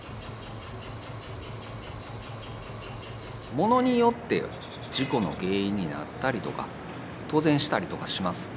ものによって事故の原因になったりとか当然したりとかします。